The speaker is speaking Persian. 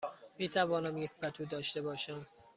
می توانم یک پتو داشته باشم؟